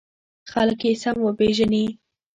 خلک یې سم وپېژني.